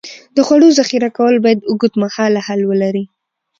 د خوړو ذخیره کول باید اوږدمهاله حل ولري.